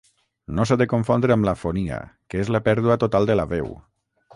No s'ha de confondre amb l'afonia que és la pèrdua total de la veu.